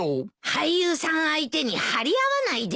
俳優さん相手に張り合わないでよ。